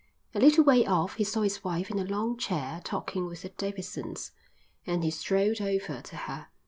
A little way off he saw his wife in a long chair talking with the Davidsons, and he strolled over to her.